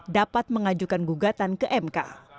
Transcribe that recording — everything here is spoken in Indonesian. dapat mengajukan gugatan ke mk